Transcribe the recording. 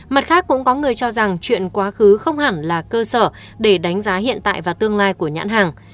mặt khác cũng có người cho rằng chuyện quá khứ không hẳn là cơ sở để đánh giá hiện tại và tương lai của nhãn hàng